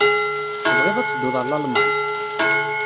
Tebɣiḍ ad tedduḍ ɣer Lalman?